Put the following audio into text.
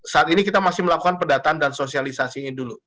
saat ini kita masih melakukan pendataan dan sosialisasinya dulu